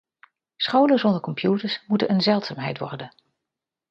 Scholen zonder computers moeten een zeldzaamheid worden.